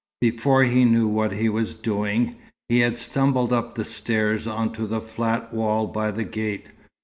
Before he knew what he was doing, he had stumbled up the stairs on to the flat wall by the gate.